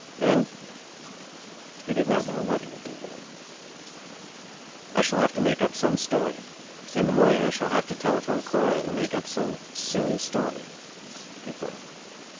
Then? He did not know what he would do then. "I shall have to make up some story. In the morning I shall have to tele phone Cora and make up some silly story," he thought.